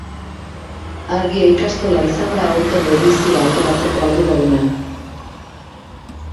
Argia ikastola izan da aurtengo edizioa antolatzeko arduraduna.